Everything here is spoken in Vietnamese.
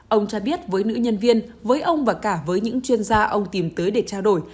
ông cho biết với nữ nhân viên với ông và cả với những chuyên gia ông tìm tới để trao đổi